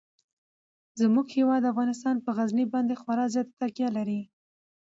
زموږ هیواد افغانستان په غزني باندې خورا زیاته تکیه لري.